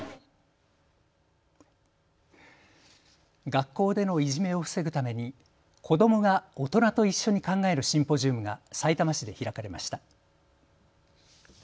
学校でのいじめを防ぐために子どもが大人と一緒に考えるシンポジウムがさいたま市で開かれました。